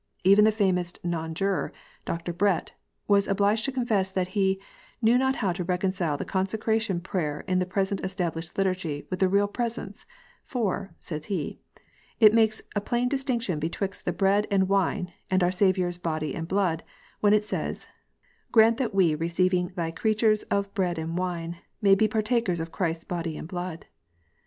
Even the famous Non juror, Dr. Brett, was obliged to confess that he "knew not how to reconcile the Consecration Prayer in the present established Liturgy with the real presence ; for," says he, " it makes a plain distinction betwixt the bread and wine and our Saviour s body and blood, when it says, Grant that we receiv ing these Thy creatures of bread and wine, may be partakers of Christ s body and blood.